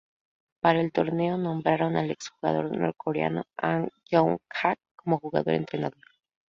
Para el torneo, nombraron al ex jugador norcoreano An Yong-hak como jugador-entrenador.